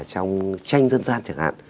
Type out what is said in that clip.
trong tranh dân gian chẳng hạn